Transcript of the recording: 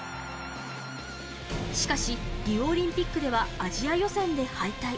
しかし、リオオリンピックではアジア予選で敗退。